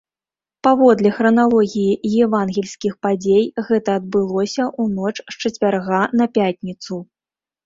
Паводле храналогіі евангельскіх падзей гэта адбылося ў ноч з чацвярга на пятніцу.